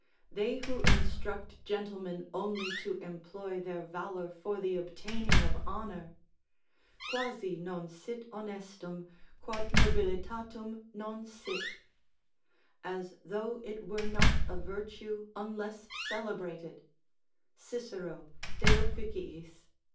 They who instruct gentlemen only to employ their valour for the obtaining of honour: "Quasi non sit honestum, quod nobilitatum non sit;" ["As though it were not a virtue, unless celebrated" Cicero De Offic. iii.